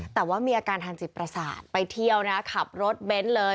แต่ว่ามีอาการทางจิตประสาทไปเที่ยวนะขับรถเบนท์เลย